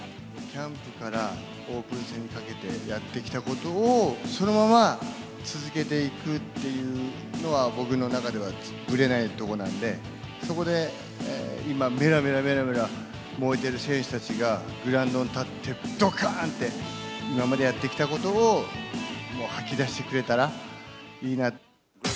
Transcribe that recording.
キャンプからオープン戦にかけてやってきたことを、そのまま続けていくっていうのは、僕の中ではぶれないところなんで、そこで今、めらめらめらめら、燃えている選手たちがグラウンドに立って、どかーんって、今までやってきたことを吐き出してくれたらいいな。